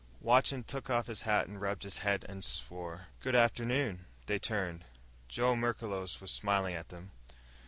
Watson took off his hat and rubbed his head and swore. "Good afternoon." They turned. Joe Merklos was smiling at them.